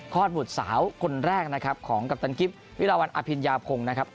ฮอตผุดสาวคนแรกนะครับของกัปตันกริปวิราวันอภินยาพงนะครับ